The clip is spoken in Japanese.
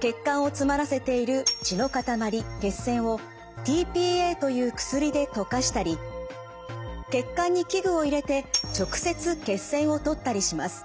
血管を詰まらせている血のかたまり血栓をｔ−ＰＡという薬で溶かしたり血管に器具を入れて直接血栓を取ったりします。